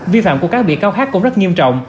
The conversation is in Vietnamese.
vi phạm của các bị cáo khác cũng rất nghiêm trọng